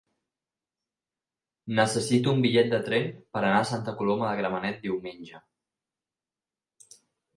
Necessito un bitllet de tren per anar a Santa Coloma de Gramenet diumenge.